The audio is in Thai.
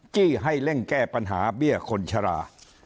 จี้ให้เร่งแก้ปัญหาเบี้ยคนชรา